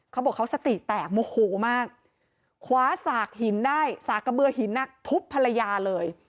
เขาบอกเขาสติแตกโมโหมากคว้าสากหินได้สากกระเบือหินทุบภรรยาเลย